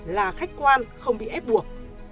là khách quan không bị ép buộc